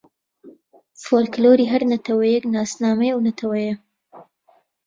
فۆلکلۆری هەر نەتەوەیێک ناسنامەی ئەو نەتەوەیە